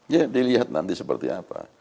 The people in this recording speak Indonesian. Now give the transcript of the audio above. ya dilihat nanti seperti apa